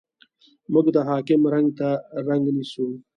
موږ د حاکم رنګ ته رنګ نیسو.